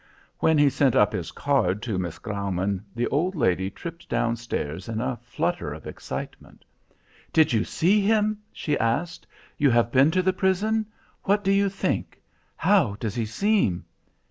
When he sent up his card to Miss Graumann, the old lady tripped down stairs in a flutter of excitement. "Did you see him?" she asked. "You have been to the prison? What do you think? How does he seem?"